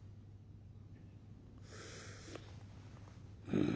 「うん」。